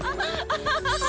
アハハハ！